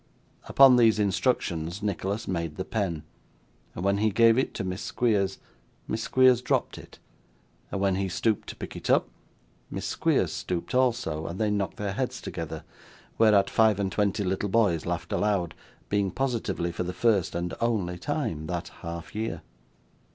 Upon these instructions Nicholas made the pen; when he gave it to Miss Squeers, Miss Squeers dropped it; and when he stooped to pick it up, Miss Squeers stooped also, and they knocked their heads together; whereat five and twenty little boys laughed aloud: being positively for the first and only time that half year.